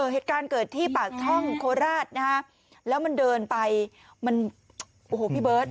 เหตุการณ์เกิดที่ปากช่องโคราชนะฮะแล้วมันเดินไปมันโอ้โหพี่เบิร์ต